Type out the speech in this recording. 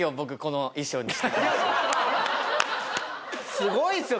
すごいっすよ